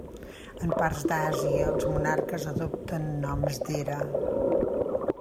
En parts d'Àsia, els monarques adopten noms d'era.